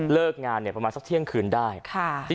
เลิกงานเนี่ยประมาณสักเที่ยงคืนได้